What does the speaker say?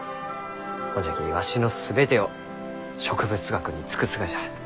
ほんじゃきわしの全てを植物学に尽くすがじゃ。